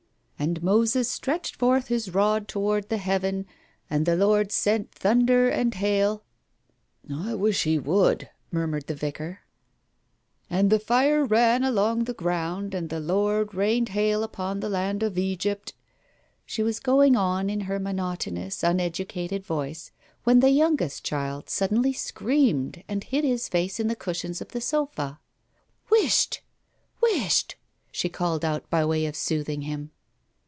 "' And Moses stretched forth his rod towards the heaven, and the Lord sent thunder and hail '" "I wish He would," murmured the Vicar. "* And the fire ran along the ground, and the Lord rained hail upon the land of Egypt. ...'" She was going on in her monotonous, uneducated voice, when the youngest child suddenly screamed and hid his face in the cushions of the sofa. "Whisht, whisht! " she called out, by way of sooth ing him.